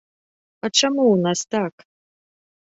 А чаму ў нас так?